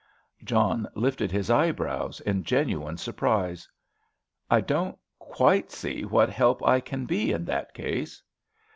John lifted his eyebrows in genuine surprise. "I don't quite see what help I can be in that case!"